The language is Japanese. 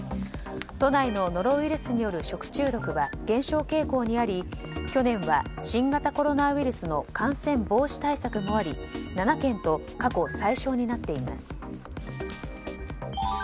都内のノロウイルスによる食中毒は減少傾向にあり去年は新型コロナウイルスの感染防止対策もあり７件と過去最少になっています。